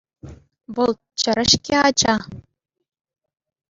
Вӑл чӗрӗ-ҫке, ача.